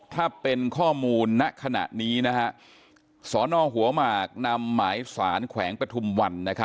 ถ้าเป็นข้อมูลณขณะนี้สนหัวหมากนำหมายสารแขวงปฐุมวัน